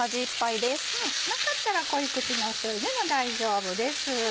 なかったら濃口のしょうゆでも大丈夫です。